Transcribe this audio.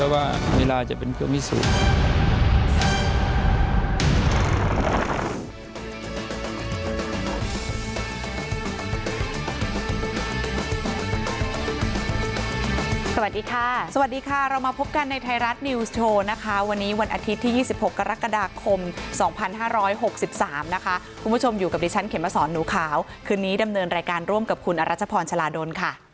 วันนี้วันอาทิตย์ที่๒๖กรกฎาคม๒๕๖๓นะคะคุณผู้ชมอยู่กับดิฉันเขียนมาสอนหนูขาวคืนนี้ดำเนินรายการร่วมกับคุณอรัจภรณ์ชะลาโดนค่ะ